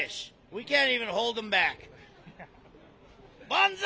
万歳。